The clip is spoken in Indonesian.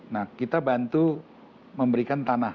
nah kita bantu memberikan tanah